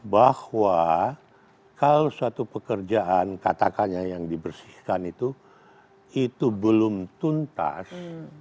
bahwa kalau suatu pekerjaan katakannya yang dibersihkan itu itu belum tuntas